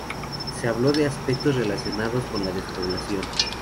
se habló de aspectos relacionados con la despoblación